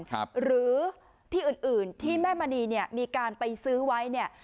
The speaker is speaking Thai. หรือที่อื่นอื่นที่แม่มณีเนี่ยมีการไปซื้อไว้เนี่ย